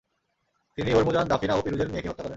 তিনি হরমুজান, জাফিনা ও পিরুজের মেয়েকে হত্যা করেন।